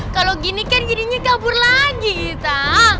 kalau gini kan jadinya kabur lagi kita